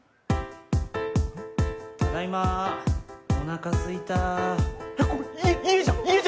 ただいま、おなかすいたこれ、家じゃん。